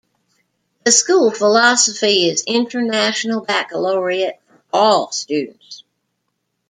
The school philosophy is International Baccalaureate for all students.